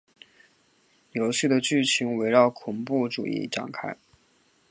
游戏的剧情围绕恐怖主义展开。